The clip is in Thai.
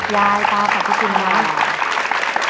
ยายตาขอบพระคุณมาก